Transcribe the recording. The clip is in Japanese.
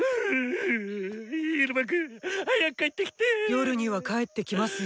夜には帰ってきますよ。